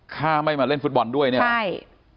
ถ้าไม่มาเล่นฟุตบอลด้วยเนี่ยใช่